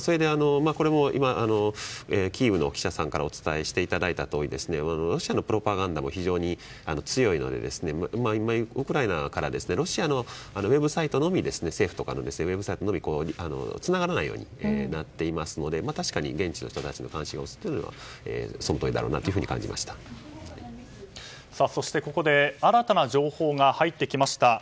これもキーウの記者さんからお伝えしていただいたとおりロシアのプロパガンダも非常に強いので今、ウクライナからロシアのウェブサイトのみ政府とかのウェブサイトのみつながらないようになっているので確かに現地の人たちの関心についてはそして、ここで新たな情報が入ってきました。